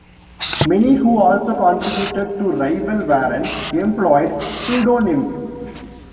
Many who also contributed to rival Warren employed pseudonyms.